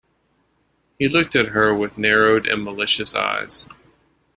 He looked at her with narrowed and malicious eyes.